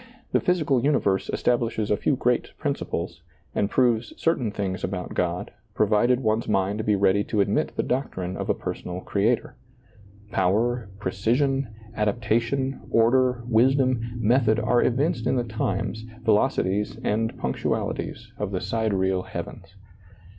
The physical universe establishes a few great principles, and proves certain things about God, provided one's mind be ready to admit the doctrine of a personal Creator. Power, precision, adaptation, order, wisdom, method, are evinced in the times, veloci ^lailizccbvGoOgle A NEW YEAR SERMON 83 ties, and punctualities of the sidereal heavens.